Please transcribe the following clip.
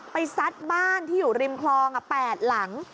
ซัดบ้านที่อยู่ริมคลอง๘หลัง